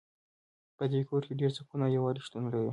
په دې کور کې ډېر سکون او یووالۍ شتون لری